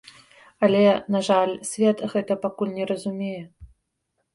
Але, на жаль, свет гэтага пакуль не разумее.